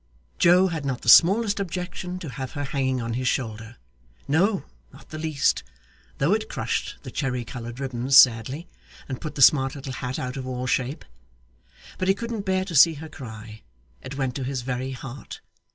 Joe had not the smallest objection to have her hanging on his shoulder; no, not the least, though it crushed the cherry coloured ribbons sadly, and put the smart little hat out of all shape. But he couldn't bear to see her cry; it went to his very heart.